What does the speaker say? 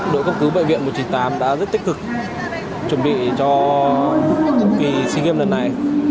đội cấp cứu bệnh viện một mươi chín tháng đã rất tích cực chuẩn bị cho kỳ sigem lần này